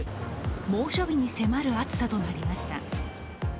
猛暑日に迫る暑さとなりました。